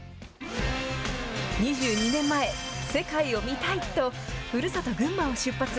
２２年前、世界を見たいと、ふるさと、群馬を出発。